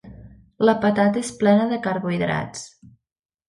La patata és plena de carbohidrats.